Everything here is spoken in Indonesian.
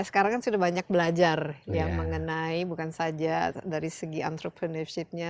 sekarang kan sudah banyak belajar yang mengenai bukan saja dari segi entrepreneurshipnya